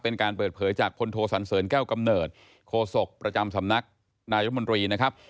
เป็นการเปิดเผยจากพลโทสันเสริญแก้วกำเนิดโคศกประจำสำนักนายรัฐมนตรีนะครับ